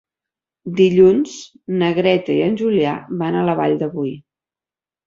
Dilluns na Greta i en Julià van a la Vall de Boí.